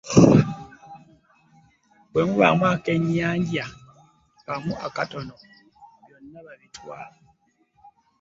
Bwe mubaamu akennyanja kamu akato byonna babitwala